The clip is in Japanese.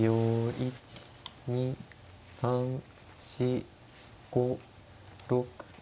１２３４５６７。